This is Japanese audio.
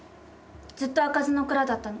「ずっと開かずの蔵だったの」